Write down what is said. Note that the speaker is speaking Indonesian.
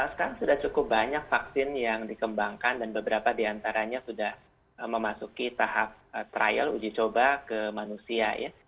sekarang sudah cukup banyak vaksin yang dikembangkan dan beberapa diantaranya sudah memasuki tahap trial uji coba ke manusia ya